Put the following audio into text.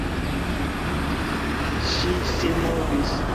Ŝi sinmovis.